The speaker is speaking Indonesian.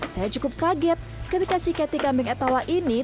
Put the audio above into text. saya cukup kaget ketika si catty kambing etawa ini